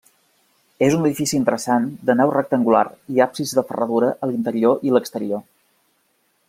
És un edifici interessant de nau rectangular i absis de ferradura a l'interior i l'exterior.